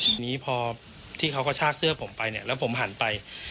ทีนี้พอที่เขากระชากเสื้อผมไปเนี่ยแล้วผมหันไป